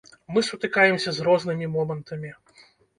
Мы сутыкаемся з рознымі момантамі.